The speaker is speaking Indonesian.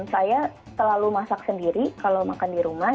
saya selalu masak sendiri kalau makan di rumah